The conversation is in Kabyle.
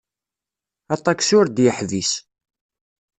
Aṭaksi ur d-yeḥbis.